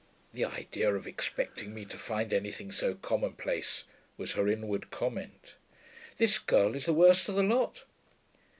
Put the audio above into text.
'The idea of expecting me to find anything so commonplace,' was her inward comment. 'This girl is the worst of the lot.'